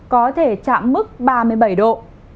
có thể chạm mức ba mươi bảy độ